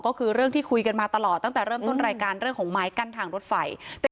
ก็คือเรื่องที่คุยกันมาตลอดตั้งแต่เริ่มต้นรายการเรื่องของไม้กั้นทางรถไฟ